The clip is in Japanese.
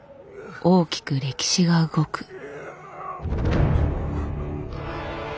大きく歴史が動く。